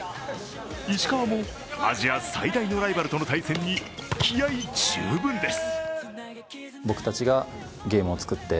石川もアジア最大のライバルとの対戦に気合い十分です。